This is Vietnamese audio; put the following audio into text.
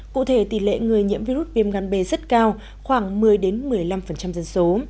cụ thể tỷ lệ người nhiễm virus viêm gan b rất cao khoảng một mươi một mươi năm dân số